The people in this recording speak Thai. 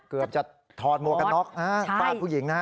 เกือบจะทอดหมวกกระน็อกฝ่าผู้หญิง